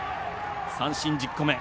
三振、１０個目。